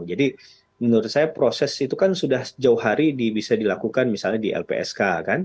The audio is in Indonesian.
jadi menurut saya proses itu kan sudah jauh hari bisa dilakukan misalnya di lpsk kan